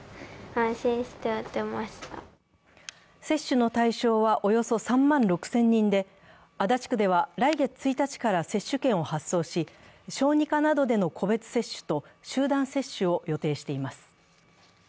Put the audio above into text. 接種の対象は、およそ３万６０００人で足立区では来月１日から接種券を発送し小児科などでの個別接種と集団接種を予定しています。